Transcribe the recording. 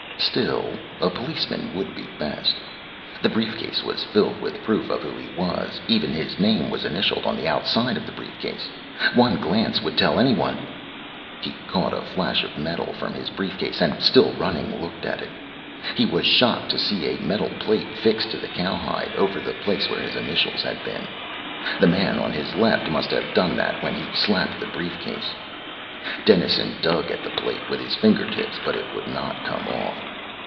Still, a policeman would be best. The briefcase was filled with proof of who he was. Even his name was initialed on the outside of the briefcase. One glance would tell anyone ... He caught a flash of metal from his briefcase, and, still running, looked at it. He was shocked to see a metal plate fixed to the cowhide, over the place where his initials had been. The man on his left must have done that when he slapped the briefcase. Dennison dug at the plate with his fingertips, but it would not come off.